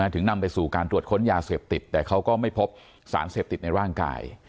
นำไปสู่การตรวจค้นยาเสพติดแต่เขาก็ไม่พบสารเสพติดในร่างกาย